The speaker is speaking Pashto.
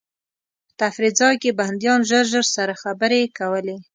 په تفریح ځای کې بندیان ژر ژر سره خبرې کولې.